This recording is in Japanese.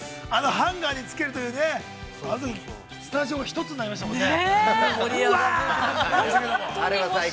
◆ハンガーに付けるというねあのときに、スタジオが一つになりましたもんね。